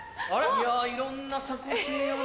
いやいろんな作品ある。